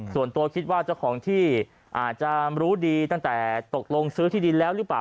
ส่วนตัวคิดว่าเจ้าของที่อาจจะรู้ดีตั้งแต่ตกลงซื้อที่ดินแล้วหรือเปล่า